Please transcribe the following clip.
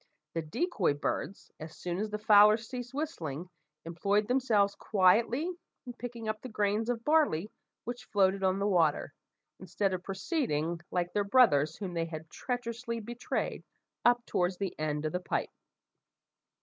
The decoy birds, as soon as the fowler ceased whistling, employed themselves quietly in picking up the grains of barley which floated on the water, instead of proceeding, like their brothers whom they had treacherously betrayed, up towards the end of the pipe.